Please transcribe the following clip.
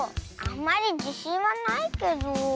あんまりじしんはないけど。